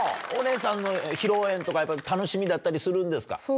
お姉さんの披露宴とか、やっぱり楽しみだったりするんですか？